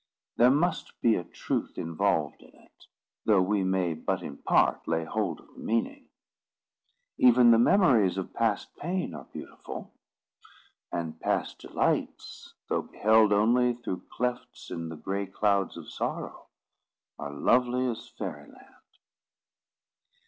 There must be a truth involved in it, though we may but in part lay hold of the meaning. Even the memories of past pain are beautiful; and past delights, though beheld only through clefts in the grey clouds of sorrow, are lovely as Fairy Land.